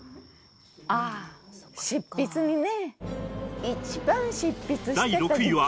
「ああ執筆にね」